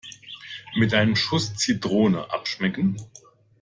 Mit einem Schuss Zitrone abschmecken.